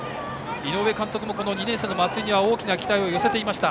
井上監督も、２年生の松井には大きな期待を寄せていました。